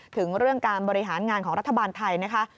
ถึงเรื่องการบริหารงานของรัฐบาลไทยนะคะ